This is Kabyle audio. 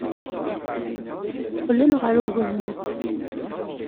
Qqlen ɣer ugelmim.